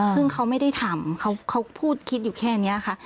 ซึ่งเขาไม่ได้ทำเขาพูดคิดอยู่แค่นี้ค่ะ